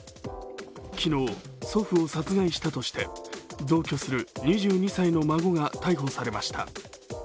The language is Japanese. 昨日、祖父を殺害したとして同居する２２歳の孫が逮捕されました。